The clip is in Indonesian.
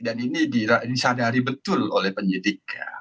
dan ini disadari betul oleh penyidik